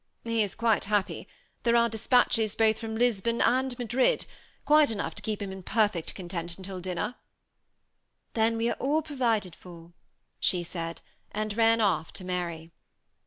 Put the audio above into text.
" He is quite happy ; there are despatches both from Lisbon and Madrid ; quite enough to keep him in per fect content till dinner." THE SEMI ATTACHED COgPLE. 183 " Then we are all provided for," she said, and ran off to Mary.